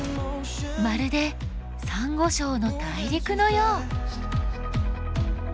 まるでサンゴ礁の大陸のよう！